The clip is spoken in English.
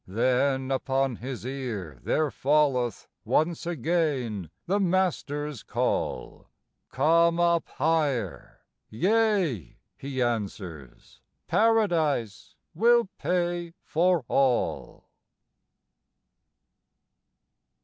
Then upon his ear there falleth Once again the Master's call: "Come up higher." "Yea," he answers, "Paradise will pay for all."